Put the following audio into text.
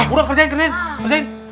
udah kerjain kerjain